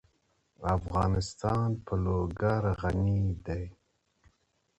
افغانستان په لوگر غني دی.